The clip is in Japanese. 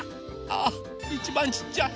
あいちばんちっちゃい。